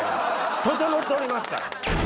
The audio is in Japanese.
整っておりますから。